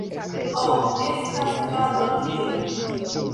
Ho, estas kato tie...